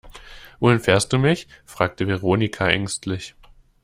Wohin fährst du mich, fragte Veronika ängstlich.